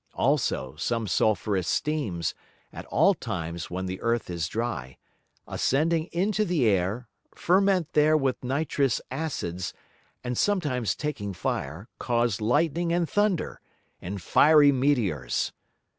Also some sulphureous Steams, at all times when the Earth is dry, ascending into the Air, ferment there with nitrous Acids, and sometimes taking fire cause Lightning and Thunder, and fiery Meteors.